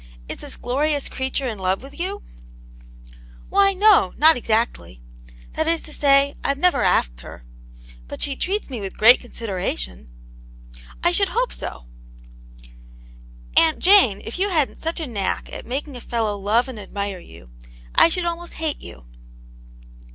Is this glorious creature in love with you ?"" Why no, not exactly. That is to say I've never asked her. But she treats me with great consider ation." " I should hope so." " Aunt Jane, if you hadn't such a knack at making a fellow love and admire you, I should almost hate you."